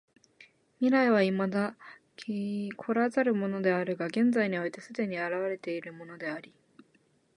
未来は未だ来らざるものであるが現在において既に現れているものであり、